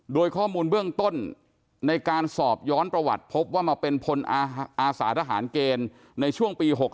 โดยข้อมูลเบื้องต้นในการสอบย้อนประวัติพบว่ามาเป็นพลอาสาทหารเกณฑ์ในช่วงปี๖๖